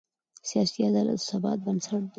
سیاسي عدالت د ثبات بنسټ دی